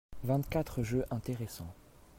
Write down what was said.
vingt quatre jeux intéréssants.